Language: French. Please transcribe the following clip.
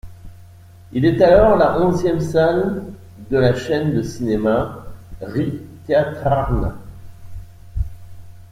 Il est alors la onzième salle de la chaîne de cinéma Ri-Teatrarna.